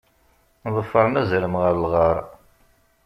Ḍefren azrem ɣer lɣar.